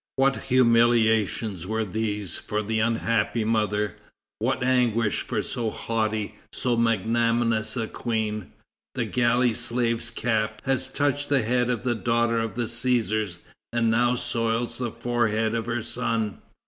What humiliations were these for the unhappy mother! What anguish for so haughty, so magnanimous a queen! The galley slave's cap has touched the head of the daughter of Cæsars, and now soils the forehead of her son!